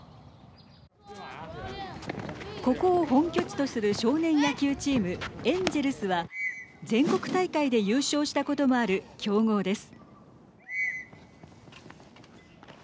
ここを本拠地とする少年野球チーム・エンジェルスは全国大会で優勝したこともある強豪です。